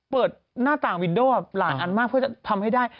เปิดหน้าต่างวินโดหลายอันมากเพื่อจะทำให้ได้